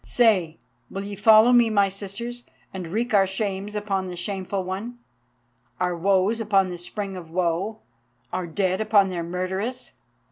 Say, will ye follow me, my sisters, and wreak our shames upon the Shameful One, our woes upon the Spring of Woe, our dead upon their murderess?"